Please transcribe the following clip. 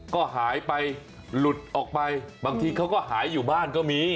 ก็หายไปหลุดออกไปบางทีเขาก็หายอยู่บ้านก็มี